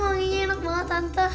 wanginya enak banget tante